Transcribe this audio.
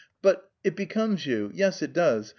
But it becomes you. Yes, it does!